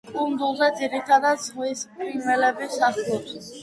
კუნძულზე ძირითადად ზღვის ფრინველები სახლობს.